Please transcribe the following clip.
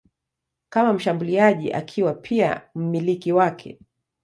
kama mshambuliaji akiwa pia mmiliki wake.